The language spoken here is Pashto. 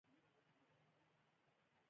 مينې ته يې وويل ته يې د وينې سېمپل واخله.